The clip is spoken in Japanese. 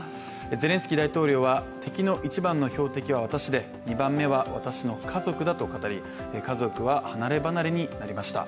ゼレンスキー大統領は的の一番の敵は私で２番目は私の家族だと語り家族は離ればなれになりました。